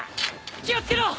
気を付けろ！